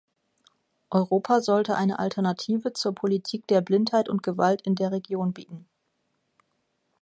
Europa sollte eine Alternative zur Politik der Blindheit und Gewalt in der Region bieten.